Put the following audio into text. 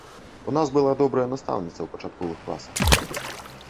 У нас была добрая настаўніца ў пачатковых класах.